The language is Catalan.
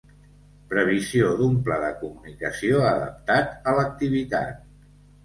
Previsió d'un pla de comunicació adaptat a l'activitat.